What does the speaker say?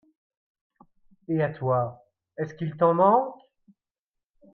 Et à toi, est-ce qu’il t’en manque ?